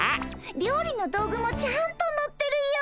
料理の道具もちゃんと乗ってるよ。